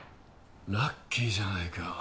ラッキーじゃないか。